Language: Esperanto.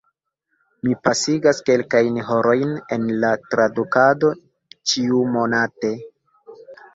Mi pasigas kelkajn horojn en la tradukado ĉiumonate.